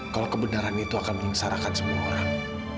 kalau kebenaran itu akan menyengsarakan semua orang